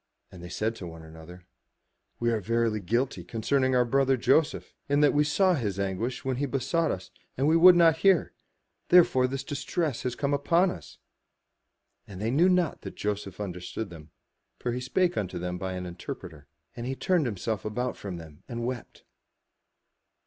And they said one to another, "We are verily guilty concerning our brother, Joseph, in that we saw his anguish when he besought us, and we would not hear; therefore is this distress come upon us." And they knew not that Joseph understood them; for he spoke unto them by an interpreter. And he turned himself about from them and wept.